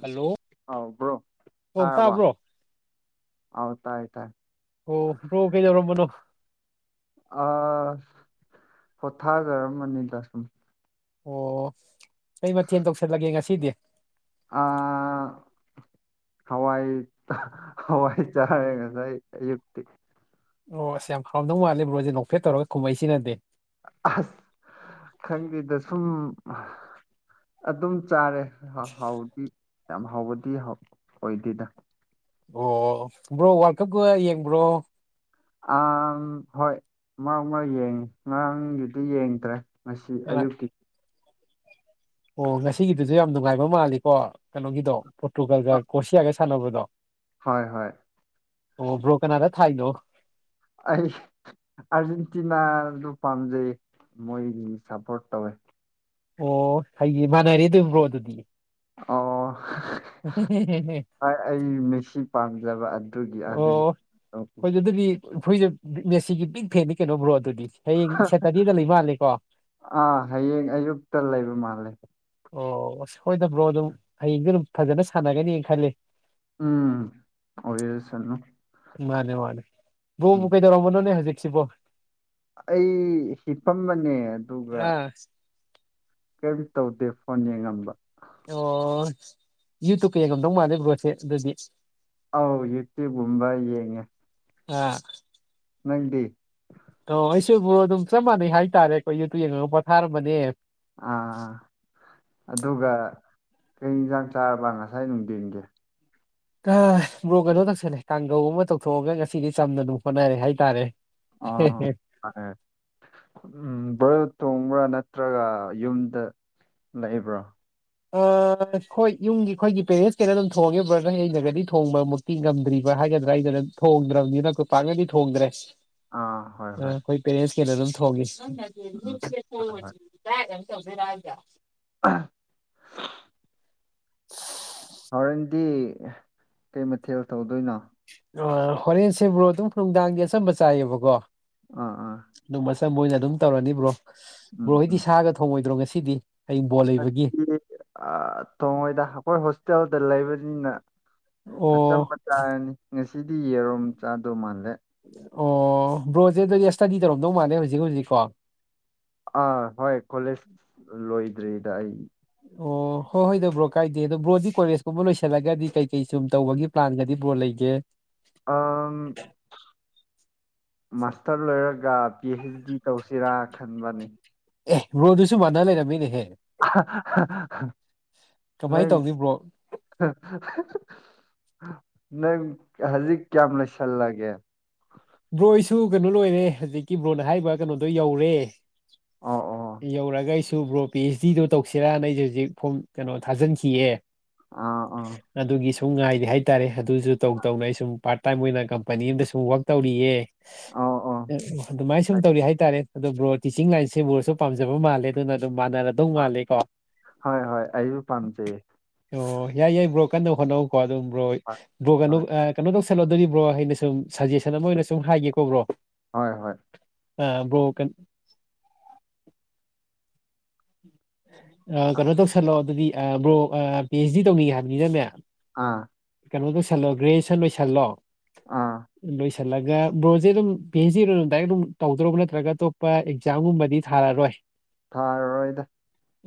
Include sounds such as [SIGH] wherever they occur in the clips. hello ꯑꯥꯎ bro ꯑꯣꯣꯡ ꯇꯥꯔꯕ ꯇꯥꯕ꯭ꯔꯣ ꯑꯥꯎ ꯇꯥꯏ ꯇꯥꯏ ꯑꯣ ꯕ꯭ꯔꯣ ꯀꯩꯗꯧꯔꯝꯕꯅꯣ ꯑ ꯄꯣꯊꯥꯖꯔꯝꯕꯅꯤꯗ ꯁꯨꯝ ꯑꯣ ꯀꯩ ꯃꯊꯦꯜ ꯇꯧꯁꯜꯂꯒꯦ ꯉꯁꯤꯗꯤ ꯑꯍ.... ꯍꯋꯥꯏ ꯍꯋꯥꯏ ꯆꯥꯏꯌꯦ ꯉꯁꯥꯏ ꯑꯌꯨꯛꯇꯤ ꯑꯣ ꯑꯁ ꯌꯥꯝ ꯍꯥꯎꯔꯝꯗꯧ ꯃꯥꯜꯂꯦ ꯕ꯭ꯔꯣ ꯍꯣꯏꯖꯦ ꯅꯣꯛꯐꯦꯠ ꯇꯧꯔꯒ ꯈꯨꯝꯃꯛꯏꯁꯤꯅꯗꯤ ꯑꯁ ꯈꯪꯗꯦꯗ ꯁꯨꯝ ꯑꯗꯨꯝ ꯆꯥꯔꯦ ꯍꯍꯥꯎ ꯍꯥꯎꯗꯤ ꯌꯥꯝ ꯍꯥꯎꯕꯗꯤ ꯍꯥꯎ ꯑꯣꯏꯗꯦꯗ ꯑꯣ ꯕ꯭ꯔꯣ ꯋꯥꯔꯜ ꯀꯞꯀ ꯌꯦꯡꯕ꯭ꯔꯣ ꯑꯝ ꯍꯣꯏ ꯃꯔꯛ ꯃꯔꯛ ꯌꯦꯡꯉꯤ ꯉꯔꯥꯡꯒꯤꯗꯤ ꯌꯦꯡꯗ꯭ꯔꯦ ꯉꯁꯤ ꯑꯌꯨꯛꯀꯤ ꯑꯣ ꯉꯁꯤꯒꯤꯗꯨꯁꯨ ꯌꯥꯝ ꯅꯨꯡꯉꯥꯏꯕ ꯃꯥꯜꯂꯤꯀꯣ ꯀꯩꯅꯣꯒꯤꯗꯣ ꯄꯣꯔꯇꯨꯒꯜꯒ ꯑ ꯀ꯭ꯔꯣꯁꯤꯌꯥꯒ ꯁꯥꯟꯅ ꯁꯥꯟꯅꯕꯗꯣ ꯍꯣꯏ ꯍꯣꯏ ꯑꯣ ꯕ꯭ꯔꯣ ꯀꯅꯥꯗ ꯊꯥꯏ ꯅꯣ ꯑꯩ ꯑꯔꯖꯦꯟꯇꯤꯅꯥꯗꯨ ꯄꯥꯝꯖꯩ ꯃꯣꯏꯒꯤ ꯁꯄꯣꯠ ꯇꯧꯋꯦ ꯑꯣ ꯑꯩꯒꯤ ꯃꯥꯟꯅꯔꯦ ꯗꯨꯝ ꯕ꯭ꯔꯣ ꯑꯗꯨꯗꯤ ꯑꯣꯍꯍ.. ꯍꯣꯏ ꯑꯩ ꯃꯤꯁꯤ ꯄꯥꯝꯖꯕ ꯑꯗꯨꯒꯤ ꯑꯗꯨꯅꯤ ꯑꯩꯈꯣꯏꯁꯦ ꯃꯦꯁꯤꯒꯤ ꯕꯤꯛ ꯐꯦꯟꯅꯤ ꯀꯩꯅꯣ ꯕ꯭ꯔꯣ ꯑꯗꯨꯗꯤ ꯍꯌꯦꯡ ꯁꯦꯇꯔꯗꯦꯗ ꯂꯩ ꯃꯥꯜꯂꯦꯀꯣ ꯇ ꯂꯩꯕ ꯃꯥꯜꯂꯦ ꯑꯣ ꯑꯁ ꯍꯣꯏꯗ ꯕ꯭ꯔꯣ ꯑꯗꯨꯝ ꯍꯌꯦꯡꯗꯤ ꯑꯗꯨꯝ ꯐꯖꯅ ꯁꯥꯟꯅꯒꯅꯤꯅ ꯈꯜꯂꯦ ꯎꯝ ꯑꯣꯏꯔꯁꯅꯨ ꯃꯥꯅꯦ ꯃꯥꯅꯦ ꯕ꯭ꯔꯣꯕꯨ ꯎꯝ ꯀꯩꯗꯧꯔꯝꯕꯅꯣꯅꯦ ꯍꯧꯖꯤꯛꯁꯤꯕꯣ ꯑꯩ ꯍꯤꯞꯄꯝꯕꯅꯦ ꯑꯗꯨꯒ ꯑꯥ ꯀꯔꯤꯝ ꯇꯧꯗꯦ ꯐꯣꯟ ꯌꯦꯡꯉꯝꯕ ꯑꯣ ꯌꯨ ꯇ꯭ꯌꯨꯞꯀ ꯌꯦꯡꯉꯝꯗꯧ ꯃꯥꯜꯂꯦ ꯕ꯭ꯔꯣꯁꯦ ꯑꯗꯨꯗꯤ ꯑꯥꯎ ꯌꯨ ꯇ꯭ꯌꯨꯞ ꯒꯨꯝꯕ ꯌꯦꯡꯉꯦ ꯑꯥ ꯅꯪꯗꯤ ꯑꯣ ꯑꯩꯁꯨ ꯕ꯭ꯔꯣ ꯑꯗꯨꯝ ꯆꯞ ꯃꯥꯟꯅꯩ ꯍꯥꯏꯇꯥꯔꯦ ꯑꯩꯈꯣꯏ ꯌꯨ ꯇ꯭ꯌꯨꯞ ꯌꯦꯡꯉ ꯄꯣꯊꯥꯔꯝꯕꯅꯦ ꯑꯥ ꯑꯥ ꯑꯗꯨꯒ ꯀꯩ ꯌꯦꯟꯁꯥꯡ ꯆꯥꯔꯕ ꯉꯁꯥꯏ ꯅꯨꯡꯊꯤꯟꯒꯤ ꯍꯑ... ꯕ꯭ꯔꯣ ꯀꯩꯅꯣ ꯇꯧꯁꯜꯂꯦ ꯀꯥꯡꯒꯧ ꯑꯃ ꯇꯧꯊꯣꯛꯑꯒ ꯉꯁꯤꯗꯤ ꯆꯝꯅ ꯑꯗꯨꯝ ꯍꯣꯠꯅꯔꯦ ꯍꯥꯏꯇꯥꯔꯦ [UNINTELLIGIBLE] ꯕ꯭ꯔꯥ ꯅꯠꯇ꯭ꯔꯒ ꯌꯨꯝꯗ ꯂꯩꯕ꯭ꯔꯣ ꯑ ꯍꯣꯏ ꯌꯨꯝꯒꯤ ꯑꯩꯈꯣꯏꯒꯤ ꯄꯦꯔꯦꯟꯁ ꯀꯩꯅ ꯑꯗꯨꯝ ꯊꯣꯡꯉꯤ ꯕ꯭ꯔꯗꯔ ꯑꯩꯅꯒꯗꯤ ꯊꯣꯡꯕꯃꯛꯇꯤ ꯉꯝꯗ꯭ꯔꯤꯕ ꯍꯥꯏꯒꯗ꯭ꯔꯥ ꯑꯩꯅꯗꯪ ꯊꯣꯡꯗ꯭ꯔꯕꯅꯤꯅꯀꯣ ꯄꯥꯛꯅꯗꯤ ꯊꯣꯡꯗ꯭ꯔꯦ ꯑꯥ ꯍꯣꯏ ꯍꯣꯏ ꯑꯩꯈꯣꯏ ꯎꯝ ꯍꯣꯏ [UNINTELLIGIBLE] ꯑ ꯍꯣꯔꯦꯟꯗꯤ ꯀꯩ ꯃꯊꯦꯜ ꯇꯧꯗꯣꯏꯅꯣ ꯑ ꯍꯣꯔꯦꯟꯁꯦ ꯕ꯭ꯔꯣ ꯑꯗꯨꯝ ꯅꯨꯡꯗꯥꯡꯒꯤ ꯑꯆꯝꯕ ꯆꯥꯏꯌꯦꯕꯀꯣ ꯑꯥ ꯑꯥ ꯃꯣꯏꯅ ꯑꯗꯨꯝ ꯇꯧꯔꯅꯤ ꯕ꯭ꯔꯣ ꯕ꯭ꯔꯣ ꯍꯣꯏꯗꯤ ꯁꯥꯒ ꯊꯣꯡꯉꯣꯏꯗ꯭ꯔꯣ ꯉꯁꯤꯗꯤ ꯍꯌꯦꯡ ꯕꯣꯜ ꯂꯩꯕꯒꯤ ꯑꯍꯍꯍ.. ꯊꯣꯡꯉꯣꯏꯗ ꯑꯩꯈꯣꯏ ꯍꯣꯁꯇꯦꯜꯗ ꯂꯩꯕꯅꯤꯅ ꯑꯆꯝꯕ ꯑꯣ ꯆꯥꯔꯅꯤ ꯉꯁꯤꯗꯤ ꯌꯦꯔꯨꯝ ꯆꯥꯗꯧ ꯃꯥꯜꯂꯦ ꯑꯣ ꯕ꯭ꯔꯣ ꯁꯦ ꯑꯗꯨꯗꯤ ꯏ꯭ꯁꯇꯗꯤ ꯇꯧꯔꯝꯗꯧ ꯃꯥꯜꯂꯦ ꯍꯧꯖꯤꯛ ꯍꯧꯖꯤꯛꯀꯣ ꯑꯥ ꯍꯣꯏ ꯀꯣꯂꯦꯖ ꯂꯣꯏꯗ꯭ꯔꯤꯗ ꯑꯩ ꯑꯣ ꯍꯣꯏ ꯍꯣꯏꯗ ꯕ꯭ꯔꯣ ꯀꯥꯏꯗꯦ ꯑꯗꯣ ꯕ꯭ꯔꯣꯗꯤ ꯀꯣꯂꯦꯖꯀꯨꯝꯕ ꯂꯣꯏꯁꯤꯜꯂꯒꯗꯤ ꯀꯩ ꯀꯩ ꯁꯨꯝ ꯇꯧꯕꯒꯤ ꯄ꯭ꯂꯥꯟꯒꯗꯤ ꯕ꯭ꯔꯣ ꯂꯩꯒꯦ ꯑ ꯃꯥꯥꯁꯇꯔ ꯂꯣꯏꯔꯒ ꯄꯤ ꯑꯩꯩꯆ ꯗꯤ ꯇꯧꯁꯤꯔꯥ ꯈꯟꯕꯅꯤ ꯑꯦ ꯔꯣꯗꯨꯁꯨ ꯃꯥꯟꯅ ꯂꯩꯔꯝꯃꯤꯅꯦꯍꯦ ꯀꯃꯥꯏꯅ ꯂꯩ ꯇꯧꯅꯤ ꯕ꯭ꯔꯣ [UNINTELLIGIBLE] ꯅꯪ ꯍꯧꯖꯤꯛ ꯀꯌꯥꯝ ꯂꯩꯁꯜꯂꯒꯦ ꯕ꯭ꯔꯣꯏꯁꯨ ꯀꯩꯅꯣ ꯂꯣꯏꯔꯦ ꯍꯧꯖꯤꯛꯀꯤ ꯕ꯭ꯔꯣꯅ ꯍꯥꯏꯔꯤꯕ ꯀꯩꯅꯣꯗꯣ ꯌꯧꯔꯦ ꯑꯣ ꯑꯣ ꯌꯧꯔꯒ ꯑꯗꯨꯨ ꯕ꯭ꯔꯣ ꯄꯤ ꯑꯩꯆ ꯗꯤꯗꯣ ꯇꯧꯁꯤꯔꯥ ꯅ ꯑꯩꯁꯦ ꯍꯧꯖꯤꯛ ꯐꯣꯝ ꯀꯩꯅꯣ ꯊꯥꯖꯤꯟꯈꯤꯌꯦ ꯑꯥ ꯑꯥ ꯑꯗꯨꯒꯤ ꯁꯨꯝ ꯉꯥꯏꯔꯤꯦ ꯍꯥꯏꯇꯥꯔꯦ ꯑꯗꯨꯁꯨ ꯇꯧ ꯇꯧꯅ ꯑꯩ ꯁꯨꯝ ꯄꯥꯔꯠ ꯇꯥꯏꯝ ꯑꯣꯏꯅ ꯀꯝꯄꯅꯤ ꯑꯗ ꯁꯨꯝ ꯋꯛ ꯇꯧꯔꯤꯌꯦ ꯑꯣ ꯑꯣ ꯑꯗꯨꯃꯥꯏꯅ ꯁꯨꯝ ꯇꯧꯔꯤ ꯍꯥꯏꯇꯥꯔꯦ ꯑꯗꯨꯣ ꯕ꯭ꯔꯣ ꯇꯤꯆꯤꯡ ꯂꯥꯏꯟꯁꯦ ꯭ꯔꯣꯁꯨ ꯄꯥꯝꯖꯕ ꯃꯥꯜꯂꯦ ꯑꯗꯨꯅ ꯑꯗꯨꯝ ꯃꯥꯟꯅꯔ ꯑꯗꯨꯧ ꯃꯥꯜꯂꯤ ꯀꯣ ꯍꯣꯏ ꯍꯣꯏ ꯑꯩꯁꯨ ꯄꯥꯝꯖꯩ ꯑꯣ ꯌꯥꯏ ꯌꯥꯏ ꯕ꯭ꯔꯣ ꯀꯟꯅ ꯍꯣꯠꯅꯧꯀꯣ ꯑꯗꯨꯝ ꯍꯣꯏ ꯕ꯭ꯔꯣꯕ꯭ꯔꯣ ꯀꯩꯅꯣ ꯍꯣꯏ ꯀꯩꯅꯣ ꯇꯧꯁꯜꯂꯣꯗꯣꯔꯤꯕ꯭ꯔꯣ ꯑꯩꯅ ꯁꯨꯝꯖꯦꯁ ꯑꯃ ꯑꯣꯏꯅ ꯁꯨꯝ ꯍꯥꯏꯒꯦ ꯀꯣꯕ꯭ꯔꯣ ꯍꯣꯏ ꯍꯣꯏ ꯑ ꯕ꯭ꯔꯣꯀꯟ ꯀꯩꯅꯣ ꯇꯧꯁꯜꯂꯣ ꯑꯗꯨꯗꯤ ꯕ꯭ꯔꯣ ꯄꯤ ꯑꯩꯆ ꯗꯤ ꯇꯧꯅꯤꯡꯉꯦ ꯍꯥꯏꯕꯅꯤꯅꯅꯦ ꯑꯥ ꯀꯩꯅꯣ ꯂꯣꯏꯁꯜꯂꯣ ꯒ꯭ꯔꯦꯖꯨꯦꯁꯟ ꯂꯣꯏꯁꯜꯂꯣ ꯑꯥ ꯜꯂꯒ ꯕ꯭ꯔꯣꯁꯦ ꯑꯗꯨꯝ ꯄꯤ ꯑꯩꯩꯆ ꯗꯤꯗ ꯗꯥꯏ ꯑꯗꯨꯝ ꯇꯧꯗ꯭ꯔꯕ ꯅꯠꯇ꯭ꯔꯒ ꯑꯇꯣꯞꯄ ꯑꯦꯛꯖꯥꯝꯒꯨꯝꯕꯗꯤ ꯊꯥꯔꯔꯣꯏ ꯊꯥꯔꯔꯣꯏꯗ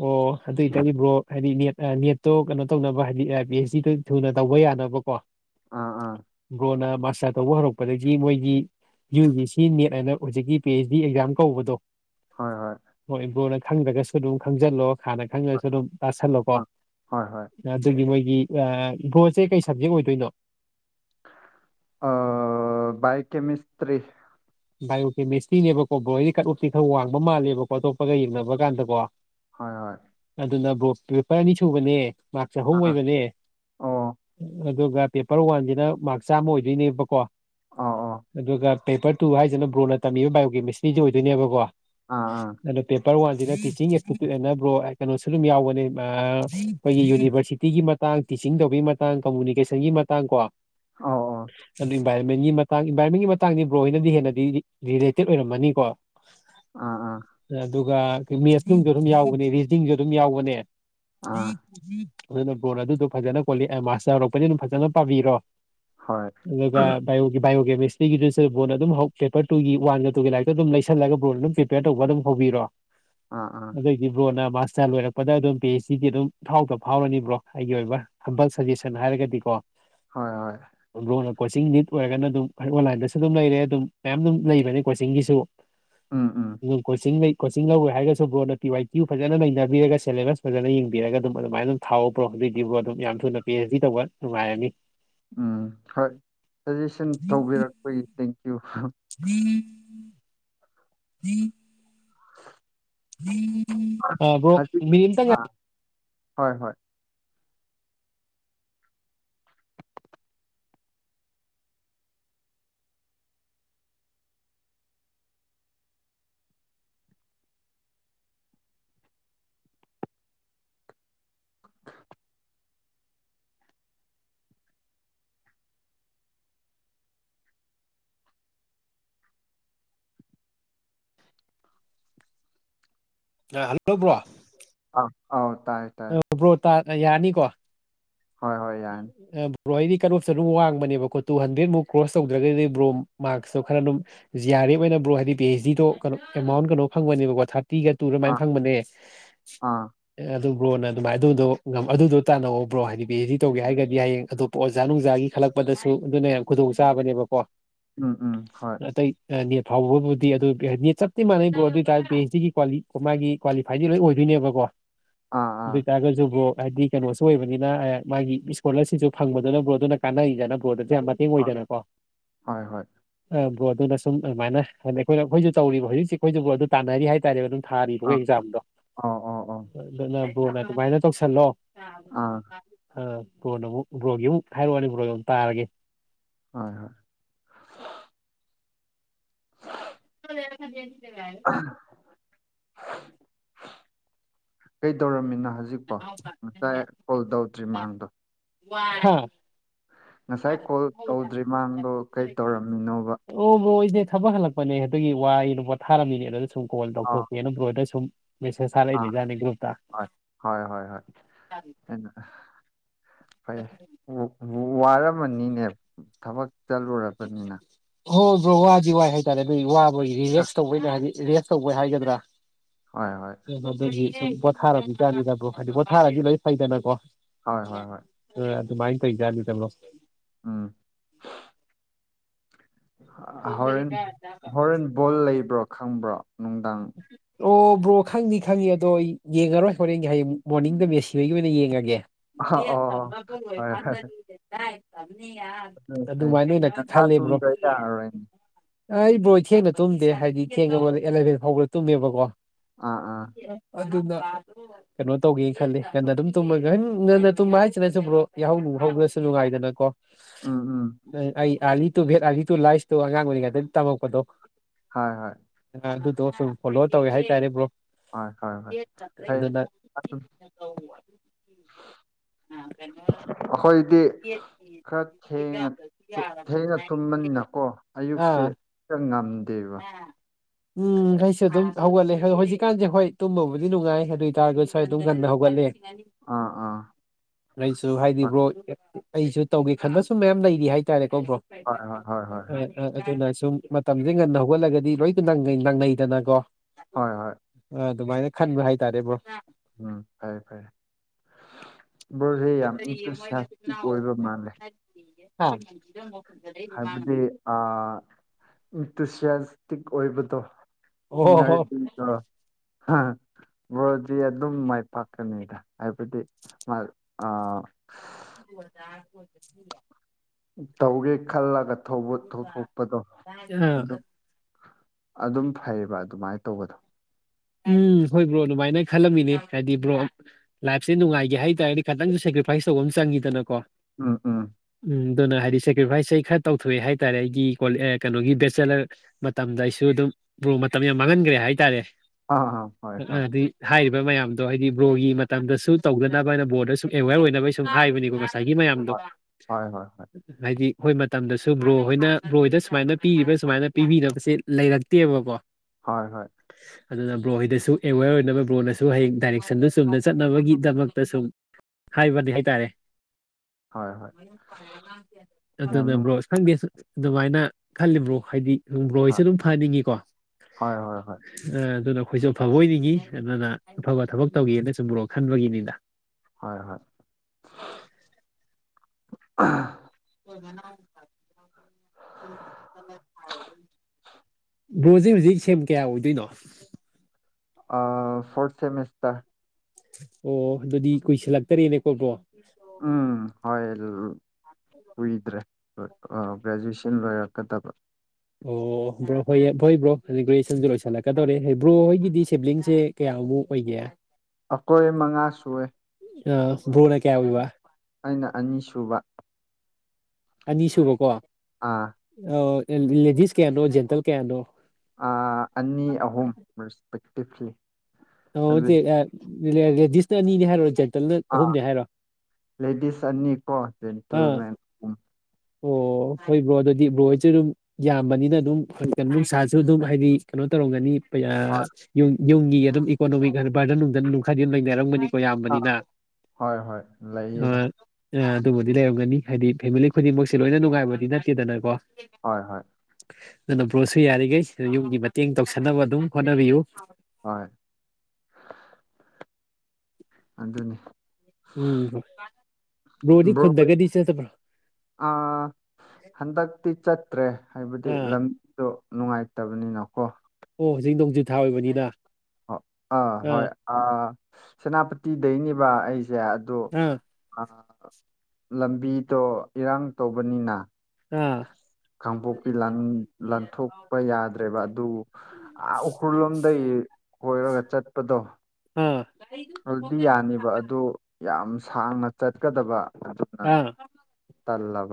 ꯑꯣ ꯑꯗꯨꯏꯇꯥꯕ꯭ꯔꯣ ꯍꯥꯏꯗꯤ ꯅꯦꯠ ꯅꯦꯠꯇꯣ ꯀꯩꯅꯣ ꯇꯧꯅꯕ ꯍꯥꯏꯗꯤ ꯄꯤ ꯑꯩꯆ ꯗꯤꯗ ꯊꯨꯅ ꯇꯧꯕ ꯌꯥꯅꯕ ꯀꯣ ꯑꯥ ꯑꯥ ꯕ꯭ꯔ‌ꯣꯅ ꯃꯥꯁꯇꯔ ꯇꯧꯕ ꯍꯧꯔꯛꯄꯗꯒꯤ ꯃꯣꯏꯒꯤ ꯌꯨ ꯅꯤ ꯁꯤ ꯅ‌ꯦꯠ ꯍꯥꯏꯅ ꯍꯧꯖꯤꯛꯀꯤ ꯄꯤ ꯑꯩꯆ ꯗꯤ ꯑꯦꯛꯖꯥꯝ ꯀꯧꯕꯗꯣ ꯍꯣꯏ ꯕ꯭ꯔ‌ꯣꯅ ꯈꯪꯗ꯭ꯔꯒꯁꯨ ꯑꯗꯨꯝ ꯈꯪꯖꯤꯜꯂꯣ ꯍꯥꯟꯅ ꯈꯪꯉꯁꯨ ꯑꯗꯨꯝ ꯇꯥꯁꯜꯂꯣꯀꯣ ꯑꯥ ꯍꯣꯏ ꯍꯣꯏ ꯑꯗꯨꯒꯤ ꯃꯣꯏ ꯒꯤ-ꯑ ꯕ꯭ꯔ‌ꯣꯁꯤ ꯀꯩ ꯁꯕꯖꯦꯛ ꯑꯣꯏꯗꯣꯏꯅꯣ ꯑ ꯕꯏ ꯀꯦꯃꯤꯁꯇ꯭ꯔꯤ ꯕꯥꯏꯑꯣ ꯀꯦꯃꯤꯁꯇ꯭ꯔꯤꯅꯦꯕꯀꯣ ꯕ꯭ꯔ‌ꯣꯍ‌ꯣꯏ ꯀꯠ ꯎꯞꯇꯤ ꯈ꯭ꯔꯥ ꯋꯥꯡꯕ ꯃꯥꯜꯂꯦꯕꯀꯣ ꯑꯇꯣꯞꯄꯒ ꯌꯦꯡꯅꯕ ꯀꯥꯟꯗꯀꯣ ꯍꯣꯏ ꯍꯣꯏ ꯑꯗꯨꯅ ꯕꯣꯔ ꯄꯦꯄꯔ ꯑꯅꯤ ꯁꯨꯕꯅꯦ ꯃꯥꯔꯛ ꯆꯍꯨꯝ ꯑꯥ ꯑꯣꯏꯕꯅꯦ ꯑꯣ ꯑꯗꯨꯒ ꯄꯦꯄꯔ ꯋꯥꯟꯁꯤꯅ ꯃꯥꯔꯛ ꯆꯥꯝꯃ ꯑꯣꯏꯗꯣꯏꯅꯦꯕꯀꯣ ꯑꯣ ꯑꯣ ꯑꯗꯨꯒ ꯄꯦꯄꯔ ꯇꯨ ꯍꯥꯏꯁꯤꯅ ꯕ꯭ꯔꯣꯟꯅ ꯇꯝꯃꯤꯕ ꯕꯥꯏꯑꯣꯀꯦꯃꯤꯁꯇ꯭ꯔꯤꯁ ꯑꯣꯏꯗꯣꯏꯅꯦꯕꯀꯣ ꯑꯥ ꯑꯥ ꯑꯗ‌ꯣ ꯁꯃꯥꯔꯠ ꯋꯥꯟꯁꯤꯅ ꯇꯤꯆꯤꯡꯇꯤꯇꯨꯠ꯭ꯔꯣ ꯀꯩꯅꯣꯁꯨ ꯑꯗꯨ ꯌꯥꯎꯒꯅꯤ ꯑꯩꯈꯣꯏꯒꯤ ꯌꯨꯅꯤꯚꯔꯁꯤꯇꯤꯒꯤ ꯃꯇꯥꯡ ꯇꯤꯆꯤꯡ ꯇꯧꯕꯒꯤ ꯃꯇꯥꯡ ꯀꯝꯃꯨꯅꯤꯀꯦꯁꯟꯒꯤ ꯃꯇꯥꯡ ꯀꯣ ꯑꯣ ꯑꯣ ꯑꯗꯨ ꯏꯟꯚꯥꯏꯔꯣꯟꯃꯦꯟꯒꯤ ꯃꯇꯥꯡ ꯏꯟꯚꯥꯏꯔꯣꯟꯃꯦꯟꯒꯤ ꯃꯇꯥꯡꯗꯤ ꯕ꯭ꯔꯣ ꯍ‌ꯣꯏ ꯗꯤ ꯍꯦꯟꯅꯗꯤ ꯔꯤꯂꯦꯇꯦꯠ ꯑꯣꯏꯔꯝꯃꯅꯤꯀꯣ ꯑꯥ ꯑꯥ ꯑꯗꯨꯒ ꯃꯦꯠꯁꯀꯤꯁꯨ ꯑꯗꯨꯝ ꯌꯥꯎꯒꯅꯤ ꯔꯤꯖꯅꯤꯡꯁꯨ ꯑꯗꯨꯝ ꯌꯥꯎꯒꯅꯦ ꯑꯥ ꯑꯗꯨꯅ ꯕꯣꯔꯣꯟ ꯑꯗꯨꯗꯣ ꯐꯖꯅ ꯈꯣꯜꯂꯤ ꯑ ꯃꯥꯁ ꯌꯥꯧꯔꯛꯄꯅꯤ ꯑꯗꯨꯝ ꯐꯖꯅ ꯄꯥꯕꯤꯔꯣ ꯍꯣꯏ ꯑꯗꯨꯒ ꯕꯥꯏꯑꯣ ꯀ‌ꯦꯃ‌ꯦꯁꯇ꯭ꯔꯤꯒꯤꯗꯨꯁ ꯕ꯭ꯔ‌ꯣꯅ ꯑꯗꯨꯝ ꯍꯧꯛ ꯄ‌ꯦꯄꯔ ꯇꯨꯒꯤ ꯋꯥꯟꯒ ꯇꯨꯒ ꯂꯥꯏꯔꯤꯛꯇꯨ ꯑꯗꯨꯝ ꯂꯩꯁꯜꯂꯒ ꯑꯗꯨꯝ ꯄ꯭ꯔꯤꯄꯦꯌꯔ ꯇꯧꯕ ꯑꯗꯨꯝ ꯍꯧꯕꯤꯔꯣ ꯑꯥ ꯑꯥ ꯑꯗ‌ꯣꯏꯗꯤ ꯕ꯭ꯔꯣꯅ ꯃꯥꯁꯇꯔ ꯂꯣꯏꯔꯛꯄꯗ ꯑꯗꯨꯝ ꯄꯤ ꯑꯩꯆ ꯗꯤ ꯑꯗꯨꯝ ꯐꯥꯎꯗ ꯐꯥꯎꯔꯅꯤꯕ꯭ꯔꯣ ꯑꯩꯒꯤ ꯑꯣꯏꯕ ꯍꯝꯕꯜ ꯁꯖꯦꯁꯟ ꯍꯥꯏꯔꯒꯗꯤꯀꯣ ꯍꯣꯏ ꯍꯣꯏ ꯕ꯭ꯔꯣꯅ ꯀꯣꯆꯤꯡ ꯅꯤꯠ ꯑꯣꯏꯔꯒꯅ ꯑꯗꯨꯝ ꯑꯣꯟꯂꯥꯏꯟꯗꯁꯨ ꯑꯗꯨꯝ ꯂꯩꯔꯦ ꯑꯗꯨꯝ ꯃꯌꯥꯝ ꯑꯗꯨꯝ ꯂꯩꯕꯅꯤ ꯀꯣꯆꯤꯡꯒꯤꯁꯨ ꯎꯝ ꯎꯝ ꯀꯣꯏꯁꯤꯡ ꯕ‌ꯦꯡ ꯀꯣꯆꯤꯡ ꯂꯧꯋꯦ ꯍꯥꯏꯔꯒꯁꯨ ꯕꯣꯔꯗꯅ ꯄꯤ ꯋꯥꯏ ꯇ꯭ꯌꯨ ꯐꯖꯅ ꯅꯩꯅꯕꯤꯔꯒ ꯁꯦꯂꯦꯕꯁ ꯐꯖꯅ ꯌꯦꯡꯕꯤꯔꯒ ꯑꯗꯨꯝ ꯑꯗꯨꯃꯥꯏꯅ ꯑꯗꯨꯝ ꯊꯥꯎꯑꯣꯕ꯭ꯔꯣ ꯑꯗꯨꯕꯨ ꯑꯗꯨꯝ ꯌꯥꯝ ꯊꯨꯅ ꯄꯤ ꯑꯩꯆ ꯗꯤ ꯇꯧꯕ ꯅꯨꯡꯉꯥꯏꯔꯅꯤ ꯎꯝ ꯍꯣꯏ ꯁꯖꯦꯁꯟ ꯇꯧꯕꯤꯔꯛꯄꯒꯤ ꯊꯦꯡ꯭ꯌꯨ [UNINTELLIGIBLE] [INAUDIBLE] ꯑꯣ ꯕ꯭ꯔ‌ꯣ ꯍꯧꯖꯤꯛ ꯃꯤꯅꯤꯠ ꯑꯥ ꯑꯃꯇꯪ ꯍꯣꯏ ꯍꯣꯏ ꯍꯜꯂꯣ ꯕ꯭ꯔꯣ ꯑꯥ ꯑꯥꯎ ꯇꯥꯏ ꯇꯥꯏ ꯕ꯭ꯔꯣ ꯇ ꯌꯥꯅꯤꯀꯣ ꯍꯣꯏ ꯍꯣꯏ ꯌꯥꯟ ꯕ꯭ꯔꯣ ꯑꯩꯗꯤ ꯀꯠ ꯑꯣꯐꯁꯨ ꯑꯗꯨꯝ ꯋꯥꯡꯕꯅꯦꯕꯀꯣ ꯇꯨ ꯍꯟꯗ꯭ꯔꯦꯗꯃꯨꯛ ꯀ꯭ꯔꯣ ꯇꯧꯗ꯭ꯔꯒꯗꯤ ꯕ꯭ꯔꯣ ꯃꯥꯔꯛꯁꯨ ꯈꯔ ꯑꯗꯨꯝ ꯗꯥꯏꯦꯛ ꯑꯣꯏꯅ ꯕꯣ ꯍꯥꯏꯗꯤ ꯄꯤ ꯑꯩꯆ ꯗꯣ ꯀꯩꯅ ꯑꯦꯥꯎꯟ ꯀꯣ ꯐꯪꯒꯅꯦꯕꯀꯣ ꯊꯥꯔ ꯇꯤꯒ ꯇꯨꯔ ꯑꯥ ꯑꯗꯨꯃꯥꯏꯅ ꯐꯪꯕꯅꯦ ꯑꯥ ꯑꯗꯨ ꯕ꯭ꯔꯣꯅ ꯑꯗꯨꯃꯥꯏꯅ ꯑꯗꯨꯗꯣ ꯑꯗꯨꯗꯣ ꯇꯥꯟꯅ ꯕ꯭ꯔꯣ ꯍꯥꯏꯗꯤꯗꯤ ꯇꯧꯒꯦ ꯍꯥꯏꯔꯒꯗꯤ ꯍꯌꯦꯡ ꯑꯇꯣꯞꯄ ꯑꯣꯖꯥ ꯅꯨꯡꯖꯥꯒꯤ ꯈꯜꯂꯛꯄꯗꯁꯨ ꯑꯗꯨꯅ ꯌꯥꯝ ꯈꯨꯗꯣꯡꯆꯥꯥꯕꯅꯦꯕꯀꯣ ꯎꯝ ꯎꯝ ꯍꯣꯏ ꯑꯇꯩ ꯍꯥꯏꯗꯤ ꯍꯥꯎꯕꯕꯨꯗꯤ ꯑꯗꯨ ꯆꯞꯠꯇꯤ ꯃꯥꯟꯅꯩ ꯕ꯭ꯔꯣ ꯑꯗꯨ ꯑꯣꯏꯇꯥꯔꯗꯤ ꯕꯦꯟꯁꯇꯒꯤ ꯃꯥꯒꯤ ꯀ꯭ꯋꯥꯂꯤꯐꯥꯏꯗꯤ ꯂꯣꯏ ꯑꯣꯏꯗꯣꯏꯅꯦꯕꯀꯣ ꯑꯥ ꯑꯥ ꯑꯣꯏꯇꯥꯔꯒꯁꯨ ꯕ꯭ꯔ‌ꯣ ꯍꯥꯏꯗꯤ ꯀꯩꯅꯣꯁꯨ ꯑꯣꯏꯕꯅꯤꯅ ꯃꯥꯒꯤ ꯏꯁꯀꯣꯂꯔꯁꯤꯞꯁꯨ ꯐꯪꯕꯗꯨꯅ ꯕ꯭ꯔꯣ ꯑꯗꯨꯅ ꯀꯥꯟꯅꯏꯗꯅꯕ꯭ꯔꯣꯗꯗꯤ ꯌꯥꯝ ꯃꯇꯦꯡ ꯍꯣꯏ ꯑꯣꯏꯗꯅꯀꯣ ꯍꯣꯏ ꯍꯣꯏ ꯑ ꯑꯗꯨꯅ ꯁꯨꯝ ꯑꯗꯨꯃꯥꯏꯅ ꯍꯥꯏ ꯑꯩꯈꯣꯏꯅ ꯑꯩꯈꯣꯏꯁꯨ ꯇꯧꯔꯤꯕ ꯍꯧꯖꯤꯛꯖꯤꯛ ꯑꯩꯈꯣꯏꯁꯨꯕꯨ ꯑꯗꯨ ꯇꯥꯟꯅꯔꯤ ꯍꯥꯏꯇꯥꯔꯦ ꯑꯗꯨꯝ ꯊꯥꯔꯤꯕꯒ ꯑꯥ ꯑꯦꯛꯖꯥꯝꯗꯣ ꯑꯣ ꯑꯣ ꯑꯣ ꯑꯗꯨꯅ ꯕꯣꯔꯅ ꯑꯗꯨꯃꯥꯏꯅ ꯇꯧꯁꯜꯂꯣ ꯑꯥ ꯕ꯭ꯔꯣꯅ ꯑꯃꯨꯛ ꯕ꯭ꯔꯣꯒꯤ ꯑꯃꯨꯛ ꯍꯥꯏꯔꯛꯑꯣꯅꯤ ꯕ꯭ꯔꯣꯒꯤ ꯑꯃꯨꯛ ꯇꯥꯔꯒꯦ ꯍꯣꯏ ꯍꯣꯏ ꯈꯗꯒ ꯀꯩ ꯇꯧꯔꯝꯃꯤꯅ ꯍꯧꯖꯤꯛꯄꯣ ꯉꯆꯥꯥꯏ ꯀꯣꯜ ꯇꯧꯗ꯭ꯔꯤ ꯃꯥꯡꯗꯣ [INAUDIBLE] ꯉꯁꯥꯏ ꯀꯣꯜ ꯇꯧꯗ꯭ꯔꯤ ꯃꯥꯡꯗꯣ ꯀꯩ ꯇꯧꯔꯝꯃꯤꯅꯣꯕ ꯑꯣ ꯔꯣꯖꯗ ꯁꯕ ꯍꯜꯂꯛꯄꯅꯦ ꯑꯗꯨꯒꯤ ꯋꯥ ꯅꯨꯨꯄꯥ ꯊꯥꯔꯝꯃꯤꯅꯦ ꯑꯗꯨꯗ ꯁꯨꯝ ꯀꯣꯜ ꯑꯥ ꯇꯧꯊꯣꯛꯀꯦꯅ ꯕ꯭ꯔꯣꯗ ꯁꯨꯝ ꯃꯁꯦ ꯆꯂꯦ ꯃꯤ ꯑꯥ ꯌꯥꯥꯅꯤ ꯀ꯭ꯔꯨꯕ ꯇ ꯍꯣꯏ ꯍꯣꯏ ꯍꯣꯏ ꯍꯣꯏ ꯐꯩ ꯋꯥꯔꯝꯃꯅꯤꯅꯦ ꯊꯕꯛ ꯆꯠꯂꯨꯔꯕꯅꯤꯅ ꯍꯣꯏ ꯕ꯭ꯔꯣ ꯋꯥꯗꯤ ꯋꯥꯏ ꯍꯥꯏꯇꯥꯔꯦ ꯅꯣꯏ ꯋꯥꯕꯒꯤ ꯔꯤꯂꯦꯛꯁ ꯇꯧꯕ ꯍꯥꯏꯗꯤ ꯔꯤꯦꯛꯁ ꯇꯧꯕꯩ ꯍꯥꯏꯒꯗ꯭ꯔꯥ ꯍꯣꯏ ꯍꯣꯏ ꯀꯩꯅꯣ ꯑꯗꯨꯗꯤ ꯄꯣꯊꯥꯔꯗꯤ ꯆꯥꯒꯗꯕꯣ ꯍꯥꯏꯗꯤ ꯄꯣꯊꯥꯔꯗꯤ ꯂꯣꯏ ꯐꯩꯗꯅꯀꯣ ꯍꯣꯏ ꯍꯣꯏ ꯍꯣꯏ ꯑꯗꯨꯨꯃꯥꯏꯅ ꯇꯖꯣ ꯎꯝ ꯍꯣꯔꯦꯟ ꯍꯣꯔꯦꯟ ꯕꯣꯜ ꯂꯩꯕ꯭ꯔꯣ ꯈꯪꯕ꯭ꯔꯣ ꯅꯨꯡꯗꯥꯡ ꯑꯣ ꯕ꯭ꯔꯣ ꯈꯪꯅꯤ ꯈꯪꯉꯤ ꯑꯗꯣ ꯌꯦꯡꯉꯔꯣꯏ ꯍꯣꯔꯦꯟ ꯍꯌꯦꯡ ꯃꯣꯔꯅꯤꯡꯗ ꯃꯦ ꯁꯤꯕꯩꯒꯤ ꯑꯣꯏꯅ ꯌꯦꯡꯉꯒꯦ ꯑ ꯌꯦ ꯑꯣ ꯆꯣꯏ ꯍꯣꯏ ꯍꯣꯏ ꯐꯗꯔ ꯇꯥꯏ ꯑꯗꯨ ꯐꯩ ꯑꯗꯨꯃꯥꯏꯅ ꯑꯣꯏꯅ ꯉꯟꯇꯥ ꯈꯜꯂꯤꯕ꯭ꯔꯣ ꯇꯨꯝꯗ ꯑꯩ ꯌꯥꯔꯔꯣꯏꯅꯦ ꯑꯩ ꯕ꯭ꯔꯣ ꯊꯦꯡꯅ ꯇꯨꯝꯗꯦ ꯍꯥꯏꯗꯤ ꯊꯦꯡꯅꯕꯅꯕꯗ ꯑꯦꯂꯚꯦꯟ ꯐꯥꯎꯕꯗ ꯇꯨꯝꯃꯦꯕꯀꯣ ꯑꯥ ꯑꯥ ꯑꯗꯨꯅ ꯀꯩꯅꯣ ꯇꯧꯒꯦꯅ ꯈꯜꯂꯤ ꯉꯟꯅ ꯑꯗꯨꯝ ꯇꯨꯝꯕ ꯉꯍ ꯉꯟꯅ ꯇꯨꯝꯕ ꯍꯥꯏꯁꯤꯅꯁꯨꯕ꯭ꯔꯣ ꯌꯥꯍꯧꯍꯧꯕꯗ꯭ꯔꯁꯨ ꯅꯨꯡꯉꯥꯏꯗꯅꯀꯣ ꯎꯝ ꯎꯝ ꯑꯩ ꯑꯥꯂꯤ ꯇꯨ ꯚꯦꯠ ꯑꯥꯂꯤ ꯇꯨ ꯂꯥꯏꯁꯇꯨ ꯑꯉꯥꯡ ꯑꯣꯏꯔꯤ ꯉꯇꯗꯤ ꯇꯝꯃꯛꯄꯗꯣ ꯍꯣꯏ ꯍꯣꯏ ꯑꯗ ꯁꯨꯝ ꯐꯣꯂꯣ ꯇꯧꯋꯦ ꯍꯥꯏꯇꯥꯔꯦ ꯕꯣ ꯍꯣꯏ ꯍꯣꯏ ꯍꯣꯏ ꯐꯩ ꯑꯗꯨꯅ ꯑ ꯀꯩꯅꯣ ꯑꯩꯈꯣꯏꯗꯤ ꯈꯔ ꯊꯉ ꯊꯦꯡꯅ ꯇꯨꯝꯕꯅꯤꯅꯀꯣ ꯑꯌꯨꯛꯁꯤꯦ ꯑꯥ ꯛꯇ ꯉꯝꯗꯦꯕ ꯎꯝ ꯑꯩꯁꯨ ꯑꯗꯨꯝ ꯍꯧꯒꯠꯂꯦ ꯍꯧꯖꯤꯛꯀꯥꯟꯁꯦ ꯍꯣꯏ ꯇꯨꯝꯕꯕꯨꯗꯤ ꯅꯨꯡꯉꯥꯏ ꯑꯗꯨ ꯑꯣꯏꯇꯥꯔꯒꯁꯨ ꯑꯩ ꯑꯗꯨꯝ ꯉꯟꯅ ꯍꯧꯒꯠꯂꯦ ꯑꯥ ꯑꯥ ꯑꯩꯁꯨ ꯍꯥꯏꯗꯤꯕ꯭ꯔꯣ ꯑꯩꯁꯨ ꯇꯧꯒꯦ ꯈꯟꯕꯁꯨ ꯃꯌꯥꯝ ꯂꯩꯔꯤ ꯍꯥꯏꯇꯥꯔꯦ ꯀ꯭ꯔꯣ ꯍꯣꯏ ꯍꯣꯏ ꯍꯣꯏ ꯍꯣꯏ ꯍꯣꯏ ꯁꯨꯝ ꯃꯇꯝꯁꯦ ꯉꯟꯅ ꯍꯧꯒꯠꯂꯒꯗꯤ ꯂꯣꯏꯅ ꯅꯪꯅꯩꯗꯅꯀꯣ ꯍꯣꯏ ꯍꯣꯏ ꯍꯣꯏ ꯑ ꯑꯗꯨꯃꯥꯏꯅ ꯈꯟꯕ ꯍꯥꯏꯇꯥꯔꯦꯕꯣ ꯎꯝ ꯐꯔꯦ ꯐꯔꯦ ꯕ꯭ꯔꯣꯁꯦ ꯌꯥꯝ ꯃꯣꯏ ꯏꯟꯇꯨꯁꯤꯌꯥꯁꯇꯤꯛ ꯃꯆꯤꯟꯅꯥꯎ ꯑꯣꯏꯕ ꯃꯥꯜꯂꯦ ꯍꯥꯏꯕꯗꯤ ꯏꯟꯇꯨꯁꯤꯌꯥꯁꯇꯤꯛ ꯑꯣꯏꯕꯗꯣ ꯍꯣ ꯏꯟꯅꯔꯀ ꯣꯗꯤ ꯑꯗꯨꯝ ꯃꯥꯏ ꯄꯥꯛꯀꯅꯤꯗ ꯍꯥꯏꯕꯗꯤ ꯃꯥ ꯑ ꯗ ꯇꯧꯒꯦ ꯈꯜꯂꯒ ꯊ ꯊꯧꯊꯣꯛꯄꯗꯣ ꯑ ꯑꯗꯨꯝ ꯑꯗꯨꯝ ꯐꯩꯔꯤꯕ ꯑꯗꯨꯃꯥꯏꯅ ꯇꯧꯕꯗꯣ ꯎꯝ ꯍꯣꯏ ꯕ꯭ꯔꯣ ꯑꯗꯨꯃꯥꯏꯅ ꯈꯜꯂꯝꯃꯤꯅꯦ ꯍꯥꯏꯗꯤ ꯕ꯭ꯔꯣ ꯂꯥꯏꯐꯁꯦ ꯅꯨꯡꯉꯥꯏꯒꯦ ꯍꯥꯏꯇꯥꯥꯔꯗꯤ ꯈꯤꯇꯪꯁꯨ ꯁꯦꯡ ꯁꯦ꯭ꯔꯤꯐꯥꯏꯁ ꯇꯧꯕ ꯑꯃ ꯆꯪꯈꯤꯗꯀꯣ ꯎꯝ ꯎꯝ ꯑꯗꯨꯅ ꯍꯥꯏꯗꯤ ꯁꯦꯀ꯭ꯔꯤꯐꯥꯏꯁꯦ ꯑꯩ ꯈꯔ ꯇꯧꯊꯣꯛꯑꯦ ꯍꯥꯏꯇꯥꯔꯦ ꯑꯩꯒꯤꯣ ꯀꯩꯅꯣꯒꯤ ꯕꯦꯆꯦꯂꯔ ꯃꯇꯝꯗ ꯑꯩꯁꯨ ꯑꯗꯨꯝ ꯕ꯭ꯔꯣ ꯃꯇꯝ ꯌꯥꯝ ꯃꯥꯡꯍꯟꯈ꯭ꯔꯦ ꯍꯥꯏꯇꯥꯔꯦ ꯑꯥ ꯑꯥ ꯍꯣꯏ ꯍꯣꯏ ꯍꯥꯏꯗꯤ ꯍꯥꯏꯔꯤꯕ ꯃꯌꯥꯝꯗꯣ ꯍꯥꯏꯗꯤ ꯕ꯭ꯔꯣꯒꯤ ꯃꯇꯝꯗꯁꯨ ꯇꯧꯗꯅꯕ ꯍꯥꯏꯅ ꯕꯣꯔꯗ ꯁꯨꯝ ꯑꯦꯋꯦꯌꯔ ꯑꯣꯏꯅꯕꯒꯤ ꯁꯨꯝ ꯍꯥꯏꯕꯅꯤꯀꯣ ꯉꯁꯥꯏꯒꯤ ꯃꯌꯥꯝꯗꯣ ꯍꯣꯏ ꯍꯣꯏ ꯍꯣꯏ ꯍꯥꯏꯗꯤ ꯑꯩꯈꯣꯏ ꯃꯇꯝꯗꯁꯨ ꯕ꯭ꯔꯣ ꯍꯣꯏꯅ ꯕ꯭ꯔꯣꯗ ꯁꯨꯃꯥꯏꯅ ꯄꯤꯔꯤꯕꯥ ꯁꯨꯃꯥꯏꯅ ꯄꯤꯕꯤꯅꯕꯁꯦ ꯂꯩꯔꯛꯇꯦꯕꯀꯣ ꯍꯣꯏ ꯍꯣꯏ ꯑꯗꯨꯅ ꯕ꯭ꯔꯣ ꯍꯣꯏꯗꯁꯨ ꯑꯦꯋꯦꯌꯔ ꯑꯣꯏꯅꯕ ꯕ꯭ꯔꯣꯅꯁꯨ ꯍꯌꯦꯡ ꯗꯥꯏꯔꯦꯛꯁꯟꯗꯨ ꯆꯨꯝꯅ ꯆꯠꯅꯕꯒꯤꯗꯃꯛꯇ ꯁꯨꯝ ꯍꯥꯏꯕꯗꯤ ꯍꯥꯏꯇꯥꯔꯦ ꯍꯣꯏ ꯍꯣꯏ ꯌꯥꯝ ꯅꯨꯡ ꯑ꯭ꯔꯣꯁ ꯈꯪꯗꯁ ꯑꯗꯨꯃꯥꯏꯅ ꯈꯜꯂꯤꯕ꯭ꯔꯣ ꯍꯥꯏꯗꯤ ꯅꯨꯝꯕ꯭ꯔꯣ ꯑꯩꯁꯨ ꯍꯣꯏ ꯑꯗꯨꯝ ꯐꯅꯤꯡꯉꯤꯀꯣ ꯍꯣꯏ ꯍꯣꯏ ꯍꯣꯏ ꯑꯗꯨꯅ ꯑꯩꯈꯣꯏꯁꯨ ꯑꯐꯕ ꯑꯣꯏꯅꯤꯒꯤ ꯑꯗꯨꯅ ꯑꯐꯕ ꯊꯕꯛ ꯇꯧꯒꯦꯅꯁꯨꯨꯝ ꯃꯣꯔꯣ ꯈꯟꯕꯒꯤꯅꯤꯗ ꯍꯣꯏ ꯍꯣꯏ [INAUDIBLE] ꯕꯣꯖꯤꯦ ꯍꯧꯖꯤꯛ ꯁꯦꯝ ꯀꯌꯥ ꯑꯣꯏꯗꯣꯏꯅꯣ ꯑ ꯐꯣꯔꯊ ꯁꯦꯃꯤꯁꯇꯔ ꯑꯣ ꯑꯗꯨꯗꯤ ꯀꯨꯏꯁꯜꯂꯛꯇꯔꯦꯅꯦ ꯀꯣꯛꯠꯇ꯭ꯔꯣ ꯎꯝ ꯍ ꯍꯏꯗ꯭ꯔꯦ ꯒ꯭ꯔꯦꯖꯨꯑꯦꯁꯟ ꯂꯣꯏꯔꯛꯀꯗꯕ ꯑꯣ ꯕ꯭ꯔꯣ ꯍꯣꯏ ꯍ ꯍꯣꯏ ꯕ꯭ꯔꯣꯗꯤ ꯒ꯭ꯔꯦꯖꯨꯦꯁꯟꯁꯨ ꯂꯣꯏꯁꯤꯜꯂꯛꯀꯗꯧꯔꯦ ꯕ꯭ꯔꯣ ꯍꯣꯏꯒꯤꯗꯤ ꯁꯦꯕꯂꯤꯡꯁꯦ ꯀꯌꯥꯃꯨꯛ ꯑꯣꯏꯒ ꯑꯩꯈꯣꯏ ꯃꯉꯥ ꯁꯑꯦ ꯑ ꯣꯅ ꯀꯌꯥ ꯑꯣꯏꯕ ꯑꯩꯅ ꯑꯅꯤ ꯁꯨꯕ ꯑꯅꯤ ꯁꯕꯀꯣ ꯑꯥ ꯂꯦꯗꯤꯁ ꯀꯌꯥꯅꯣ ꯖꯦꯟꯇꯜ ꯀꯌꯥꯅꯣ ꯑꯅꯤ ꯑꯍꯨꯝ ꯔꯦꯁꯄꯦꯛꯇꯤꯚꯂꯤ ꯦꯅꯦ ꯍꯔ ꯑꯣꯏꯖ ꯑ ꯂꯩꯦꯗꯤꯁ ꯑꯅꯤ ꯀꯣ ꯟꯇꯜ ꯃ ꯑꯣ ꯑꯣ ꯍꯣꯏ ꯕ꯭ꯔꯣ ꯑꯗꯨꯗꯤ ꯕ꯭ꯔꯣꯁꯨ ꯑꯗꯨꯝ ꯌꯥꯝꯕꯅꯤꯅ ꯑꯗꯨꯝ ꯍꯀ ꯅꯨꯡꯁꯥꯁꯨ ꯑꯗꯨꯝ ꯍꯥꯏꯗꯤ ꯀꯩꯅꯣ ꯇꯧꯔꯝꯒꯅꯤ ꯍꯣꯏ ꯌꯨꯝꯒꯤ ꯑꯗꯨꯝ ꯏꯀꯣꯅꯣꯃꯤꯛ ꯕꯔꯗꯟ ꯅꯨꯡꯗꯟ ꯅꯨꯡꯈꯥꯏꯗꯤ ꯑꯗꯨ ꯂꯩꯅꯔꯝꯒꯅꯤ ꯑꯥ ꯌꯥꯝꯕꯅꯤꯅ ꯍꯣꯏ ꯍꯣꯏ ꯂꯩꯌꯦꯗ ꯑ ꯑ ꯑꯗꯨꯃꯗꯤ ꯂꯩꯔꯝꯒꯅꯤ ꯍꯥꯏꯗꯤ ꯐꯦꯃꯤꯂꯤ ꯈꯨꯗꯤꯡꯃꯛꯁꯦ ꯂꯣꯏꯅ ꯅꯨꯡꯉꯥꯏꯕꯗꯤ ꯅꯠꯇꯦꯗꯅꯀꯣ ꯍꯣꯏ ꯍꯣꯏ ꯑꯗꯨꯅ ꯕ꯭ꯔꯣꯁꯨ ꯌꯥꯔꯤꯒꯩ ꯌꯨꯝꯒꯤ ꯃꯇꯦꯡ ꯇꯧꯁꯟꯅꯕ ꯑꯗꯨꯝ ꯍꯣꯠꯅꯕꯤꯌꯨ ꯍꯣꯏ [INAUDIBLE] ꯑꯗꯨꯅꯤ ꯎꯝ ꯕ꯭ꯔꯣꯗꯤ ꯈꯨꯟꯗꯒꯗꯤ ꯆꯠꯇꯕ꯭ꯔꯣ [INAUDIBLE] ꯑꯥ ꯍꯟꯗꯛꯇꯤ ꯆꯠ ꯇ꯭ꯔꯦ ꯍꯥꯏꯕꯗꯤ ꯑꯥ ꯂꯝꯕꯤꯗꯣ ꯅꯨꯡꯉꯥꯏꯇꯕꯅꯤꯅꯀꯣ ꯑꯣ ꯍꯧꯖꯤꯛꯀꯤꯗꯣ ꯍꯧꯖꯤꯛ ꯊꯥ ꯑꯣꯏꯕꯅꯤꯅ ꯑ ꯑ ꯍꯣꯏ ꯑꯥ ꯑꯥ ꯁꯦꯅꯥꯄꯇꯤꯗꯩꯅꯦꯕ ꯑꯩ ꯖꯦ ꯑꯗꯨ ꯑꯥ ꯑꯥ ꯂꯝꯕꯤꯗꯣ ꯏꯔꯥꯡ ꯇꯧꯕꯅꯤꯅ ꯎꯝ ꯀꯥꯡꯄꯣꯛꯄꯤ ꯂꯥꯟ ꯂꯥꯟꯊꯣꯛꯄ ꯌꯥꯗ꯭ꯔꯦꯕ ꯑꯗꯨ ꯑꯥ ꯎꯈ꯭ꯔꯨꯜ ꯂꯣꯝꯗꯩ ꯀꯣꯏꯔꯒ ꯆꯠꯄꯗꯣ ꯑꯥ ꯑꯗꯨꯗꯤ ꯌꯥꯅꯤꯕ ꯑꯗꯨ ꯌꯥꯝ ꯁꯥꯡꯅ ꯆꯠꯀꯗꯕ ꯑꯗꯨꯅ ꯑꯥ ꯇꯜꯂꯕ